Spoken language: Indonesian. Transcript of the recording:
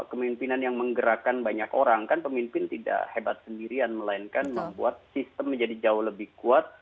kemimpinan yang menggerakkan banyak orang kan pemimpin tidak hebat sendirian melainkan membuat sistem menjadi jauh lebih kuat